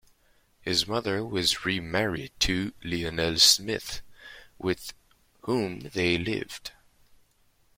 His mother was remarried to Lionel Smith, with whom they lived.